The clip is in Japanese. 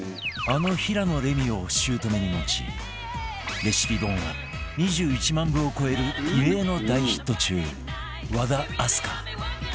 あの平野レミを姑に持ちレシピ本は２１万部を超える異例の大ヒット中和田明日香